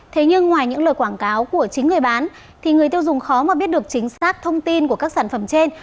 thế nhưng ngoài những lời quảng cáo của chính người bán thì người tiêu dùng khó mà biết được chính xác thông tin của các sản phẩm trên